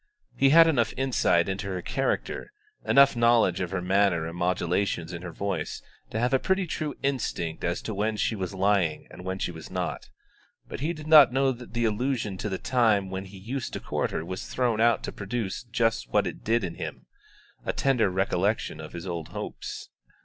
He had enough insight into her character, enough knowledge of her manner and the modulations in her voice, to have a pretty true instinct as to when she was lying and when she was not; but he did not know that the allusion to the time when he used to court her was thrown out to produce just what it did in him, a tender recollection of his old hopes.